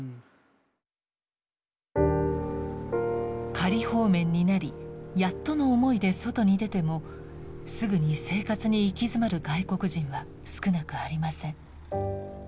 仮放免になりやっとの思いで外に出てもすぐに生活に行き詰まる外国人は少なくありません。